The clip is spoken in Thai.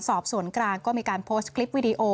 สอบสวนกลางก็มีการโพสต์คลิปวิดีโอ